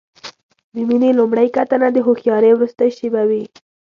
د مینې لومړۍ کتنه د هوښیارۍ وروستۍ شېبه وي.